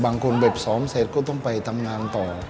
บางคนแบบซ้อมเสร็จก็ต้องไปทำงานต่อ